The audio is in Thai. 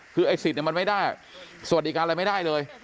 คือไอ้สิทธิ์มันไม่ได้สวัสดิการอะไรไม่ได้เลย